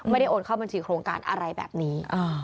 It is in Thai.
ไม่ได้โอนเข้าบัญชีโครงการอะไรแบบนี้